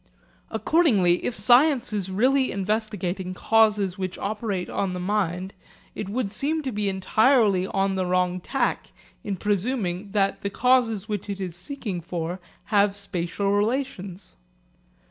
Accordingly if science is really investigating causes which operate on the mind, it would seem to be entirely on the wrong tack in presuming that the causes which it is seeking for have spatial relations.